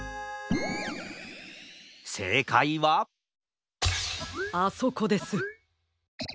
せいかいはあそこです。